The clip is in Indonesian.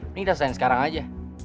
ini kita selain sekarang aja